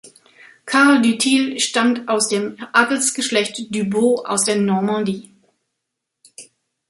Karl du Thil stammt aus dem Adelsgeschlecht du Bos aus der Normandie.